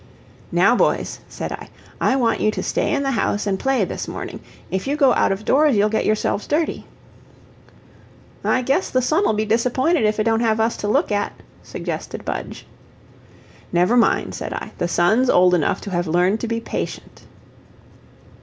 "Now, boys," said I, "I want you to stay in the house and play this morning. If you go out of doors you'll get yourselves dirty." "I guess the sun'll be disappointed if it don't have us to look at," suggested Budge. "Never mind," said I, "the sun's old enough to have learned to be patient."